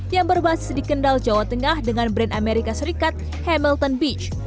yang berbasis di kendal jawa tengah dengan brand amerika serikat hamilton beach